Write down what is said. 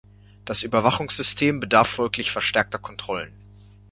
Das Überwachungssystem bedarf folglich verstärkter Kontrollen.